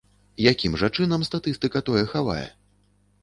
Якім жа чынам статыстыка тое хавае?